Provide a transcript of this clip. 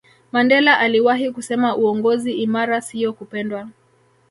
mandela aliwahi kusema uongozi imara siyo kupendwa